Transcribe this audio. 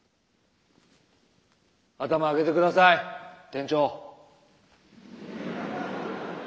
頭上げて下さい店長。